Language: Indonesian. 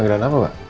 pemiksaan apa pak